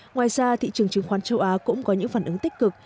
ngoài ra thị trường chứng khoán châu á cũng có những phản ứng tích cực